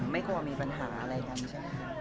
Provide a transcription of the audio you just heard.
ไม่กลัวมีปัญหาอะไรกันใช่ไหม